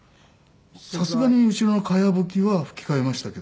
さすがに後ろの茅葺きは葺き替えましたけどね